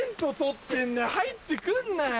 入って来んなよ！